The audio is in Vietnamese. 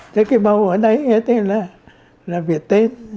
thế cái bầu ở đây nghe tên là việt tên